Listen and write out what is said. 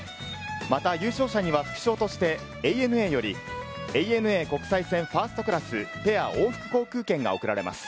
また、優勝者には副賞としてＡＮＡより、ＡＮＡ国際線ファーストクラス・ペア往復航空券が贈られます。